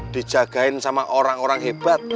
dijagain sama orang orang hebat